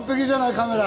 カメラ！